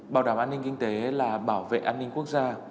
bảo đảm an ninh kinh tế là bảo vệ an ninh quốc gia